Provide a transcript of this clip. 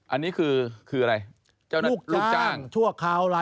อะนี่คือคืออะไร